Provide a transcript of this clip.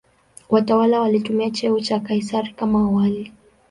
Watawala walitumia cheo cha "Kaisari" kama awali.